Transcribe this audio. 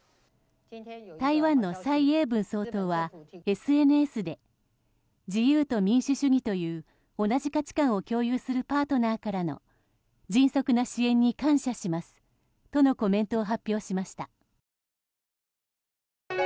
台湾の蔡英文総統はＳＮＳで自由と民主主義という同じ価値観を共有するパートナーからの迅速な支援に感謝しますとのコメントを発表しました。